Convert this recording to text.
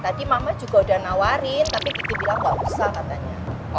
tadi mama juga udah nawarin tapi kita bilang gak usah katanya